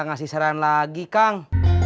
ngasih saran lagi kang